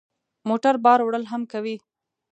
موټر بار وړل هم کوي.